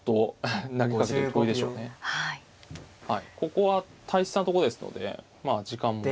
ここは大切なとこですのでまあ時間も。